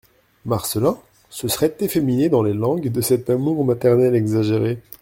Marcelin se serait efféminé dans les langes de cet amour maternel exagéré.